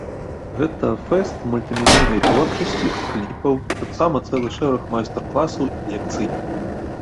Гэта фэст мультымедыйнай творчасці, кліпаў, таксама цэлы шэраг майстар-класаў і лекцый.